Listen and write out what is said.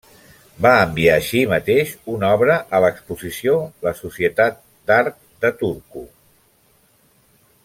Va enviar així mateix una obra a l'Exposició la Societat d'Art de Turku.